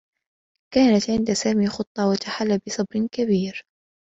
كانت عند سامي خطّة و تحلّى بصبر كبير.